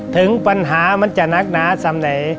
ถึงปัญหามันจะนักหนาเยอะ